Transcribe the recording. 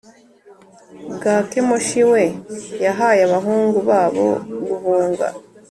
bwa Kemoshi we Yahaye abahungu babo guhunga